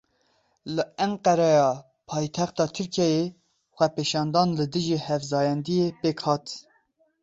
Li Enqereya paytexta Tirkiyeyê xwepêşandan li dijî hevzayendiyê pêk hat.